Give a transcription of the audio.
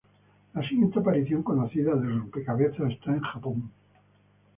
La siguiente aparición conocida del rompecabezas está en Japón.